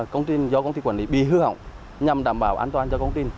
công ty do công ty quản lý bị hư hỏng nhằm đảm bảo an toàn cho công ty